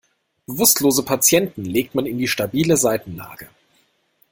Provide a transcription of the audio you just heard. Bewusstlose Patienten legt man in die stabile Seitenlage.